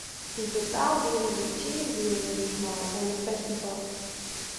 Yn totaal diene der tsien dielnimmers mei oan it festival.